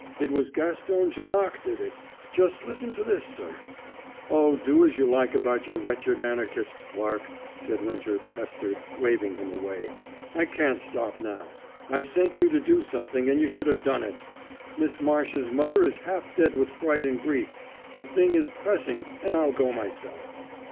It was Gaston Janoc did it! Just listen to this, sir " "Oh, do as you like about your wretched Anarchist, Clarke," said Winter pestered, waving him away; "I can't stop now. I sent you to do something, and you should have done it. Miss Marsh's mother is half dead with fright and grief; the thing is pressing, and I'll go myself."